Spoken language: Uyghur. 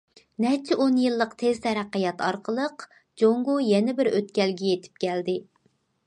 نەچچە ئون يىللىق تېز تەرەققىيات ئارقىلىق، جۇڭگو يەنە يېڭى بىر ئۆتكەلگە يېتىپ كەلدى.